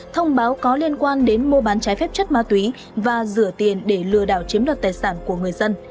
thông báo có liên quan đến mua bán trái phép chất ma túy và rửa tiền để lừa đảo chiếm đoạt tài sản của người dân